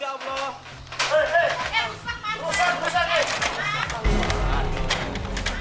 rusak rusak rusak